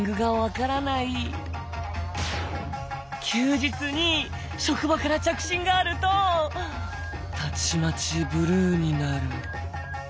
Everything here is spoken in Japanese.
「休日に職場から着信があるとたちまちブルーになる」。